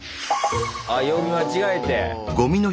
あ曜日間違えて。